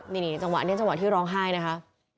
นี่จังหวะนี้จังหวะที่ร้องไห้นะคะ